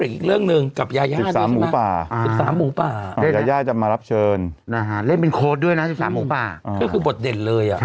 อ๋อคือคือบทเด่นเลยอ่ะใช่ครับเนี่ยเนี่ยเควงอืม